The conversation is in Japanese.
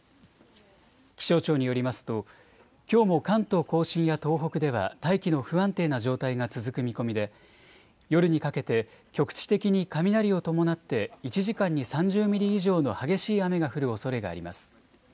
気象庁によりますときょうも関東甲信や東北では大気の不安定な状態が続く見込みで夜にかけて局地的に雷を伴って１時間に３０ミリ以上の激しい雨が降るおそれがあります。